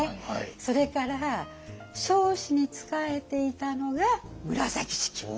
それから彰子に仕えていたのが紫式部。